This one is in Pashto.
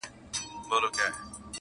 لا یې ساړه دي د برګونو سیوري!!